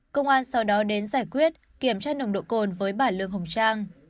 công an sau đó đến giải quyết kiểm tra nồng độ cồn với bà lương hồng trang